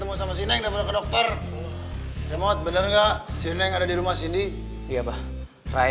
buah bilang istirahat